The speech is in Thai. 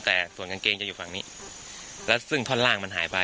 แต่ส่วนกางเกงจะอยู่ฝั่งนี้แล้วซึ่งท่อนล่างมันหายไป